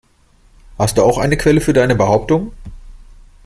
Hast du auch eine Quelle für deine Behauptungen?